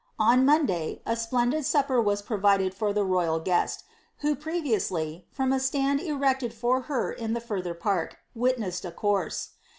On Monday a splendid supper wi» provided for the royal guest, who previously, from a stand erected for her in the further park, witnessed a course.